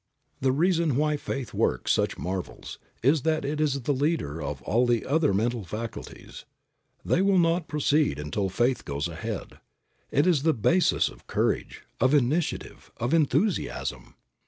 The reason why faith works such marvels is that it is the leader of all the other mental faculties. They will not proceed until faith goes ahead. It is the basis of courage, of initiative, of enthusiasm.